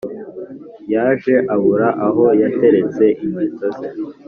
Yaje abura aho yateretse inkweto ze